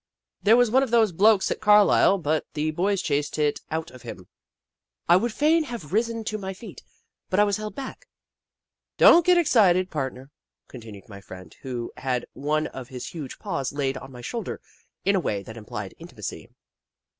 There was one of those blokes at Carlisle, but the boys chased it out of him," I would fain have risen to my feet, but I was held back. " Don't get excited, part ner," continued my friend, who had one of his huge paws laid on my shoulder in a way that implied intimacy.